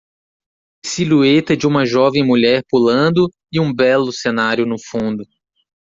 silhueta de uma jovem mulher pulando e um belo cenário no fundo.